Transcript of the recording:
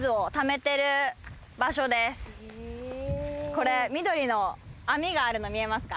これ緑の網があるの見えますか。